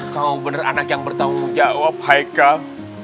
kamu bener anak yang bertanggung jawab haikal